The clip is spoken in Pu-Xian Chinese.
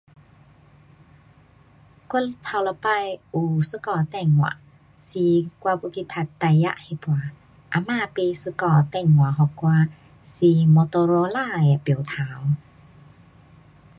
我第一次有一部手机，是我要去大学那段祖母买一部手机给我，是摩托罗拉的标头